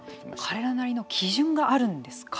彼らなりの基準があるんですか。